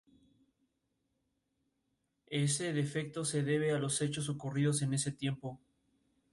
Algunas regiones se especializan en el encurtido de carnes y pescados.